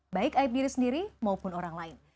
baik aib diri sendiri maupun orang lain